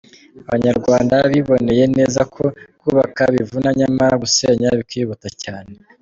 Abanyarwanda biboneye neza ko kubaka bivuna nyamara gusenya bikihuta cyane.